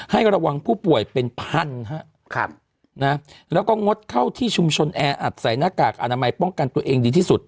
ให้ระวังผู้ป่วยเป็นพันแล้วก็งดเข้าที่ชุมชนแออัดใส่หน้ากากอนามัยป้องกันตัวเองดีที่สุด